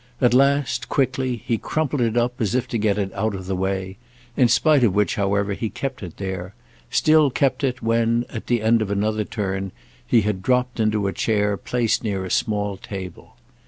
At last, quickly, he crumpled it up as if to get it out of the way; in spite of which, however, he kept it there—still kept it when, at the end of another turn, he had dropped into a chair placed near a small table.